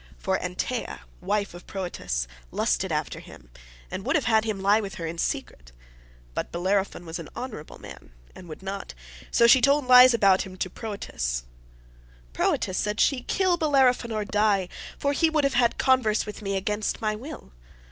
For Antea, wife of Proetus, lusted after him, and would have had him lie with her in secret; but Bellerophon was an honourable man and would not, so she told lies about him to Proetus. 'Proetus,' said she, 'kill Bellerophon or die, for he would have had converse with me against my will.